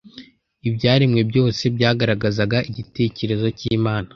ibyaremwe byose byagaragazaga igitekerezo cy’Imana